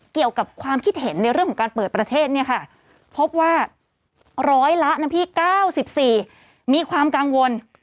เกี่ยวกับความคิดเห็นในเรื่องของการเปิดประเทศเนี่ยค่ะพบว่าร้อยละนะพี่๙๔มีความกังวล